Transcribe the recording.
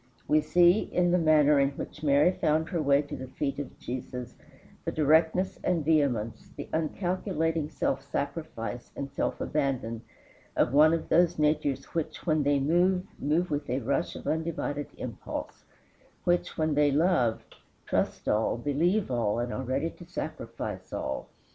We see in the manner in which Mary found her way to the feet of Jesus the directness and vehemence, the uncalculating self sacrifice and self abandon, of one of those natures which, when they move, move with a rush of undivided impulse; which, when they love, trust all, believe all, and are ready to sacrifice all.